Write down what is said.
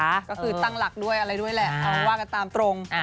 ก็คือตั้งหลักด้วยอะไรด้วยแหละว่ากันตามตรง